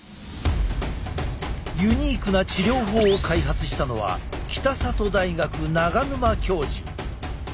ユニークな治療法を開発したのは北里大学長沼教授。